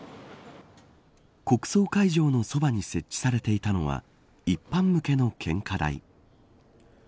国葬会場のそばに設置されていたのは一般向けの献花台。